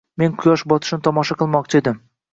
— Men quyosh botishini tomosha qilmoqchi edim.